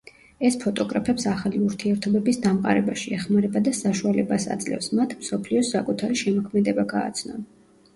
ეს ფოტოგრაფებს ახალი ურთიერთობების დამყარებაში ეხმარება და საშუალებას აძლევს მათ, მსოფლიოს საკუთარი შემოქმედება გააცნონ.